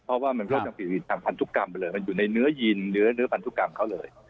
เพราะว่ามันก็จะผิดวินทำพันธุกรรมไปเลยมันอยู่ในเนื้อยินเนื้อพันธุกรรมเขาเลย